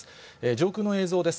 上空の映像です。